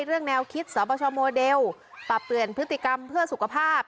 เรื่องแนวคิดสปชโมเดลปรับเปลี่ยนพฤติกรรมเพื่อสุขภาพ